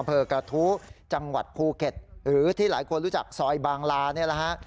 อำเภอกระทู้จังหวัดภูเก็ตหรือที่หลายคนรู้จักซอยบางลาเนี่ยนะฮะ